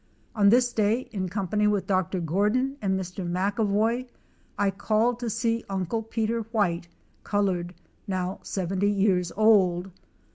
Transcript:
On this day, in company with Dr. Grordon and Mr. McAvoy, I called to see Uncle Peter White (colored) now 70 years old.